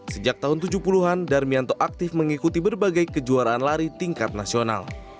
sejak tahun tujuh puluh an darmianto aktif mengikuti berbagai kejuaraan lari tingkat nasional